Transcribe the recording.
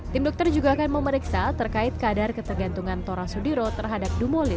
tim dokter juga akan memeriksa terkait kadar ketergantungan tora sudiro terhadap dumolit